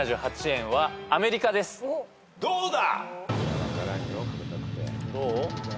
どうだ？